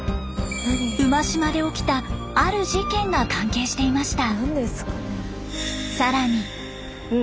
馬島で起きたある事件が関係していました。